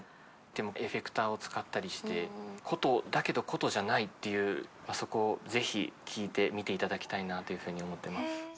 でもエフェクターを使ったりして箏だけど箏じゃないっていうそこをぜひ聴いてみていただきたいなというふうに思ってます。